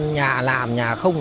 nhà làm nhà không